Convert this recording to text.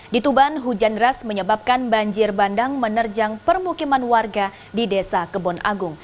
di tuban hujan deras menyebabkan banjir bandang menerjang permukiman warga di desa kebon agung